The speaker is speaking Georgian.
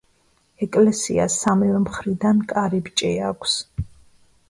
ეკლესიას სამივე მხრიდან კარიბჭე აქვს.